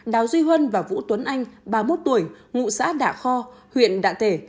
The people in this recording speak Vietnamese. đào duy huân và vũ tuấn anh ba mươi một tuổi ngụ xã đạ kho huyện đạ tể